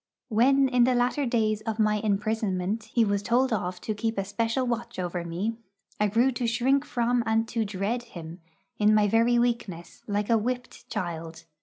When in the latter days of my imprisonment he was told off to keep a special watch over me, I grew to shrink from and to dread him, in my very weakness, like a whipped child.